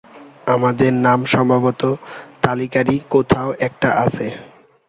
আমাদের নাম সম্ভবত তালিকারই কোথাও একটা আছে।